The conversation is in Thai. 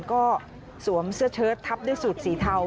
ก็สวมเสื้อเชิดทับด้วยสูตรสีเทา